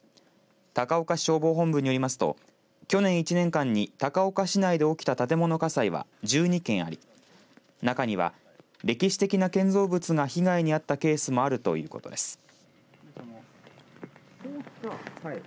高岡市消防本部よりますと去年１年間に高岡市内で起きた建物火災は１２件あり中には歴史的な建造物が被害に遭ったケースもあるということです。